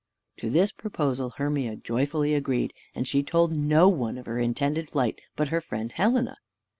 To this proposal Hermia joyfully agreed; and she told no one of her intended flight but her friend Helena.